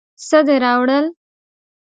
څه دې راوړل.